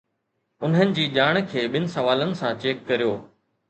انهن جي ڄاڻ کي ٻن سوالن سان چيڪ ڪريو.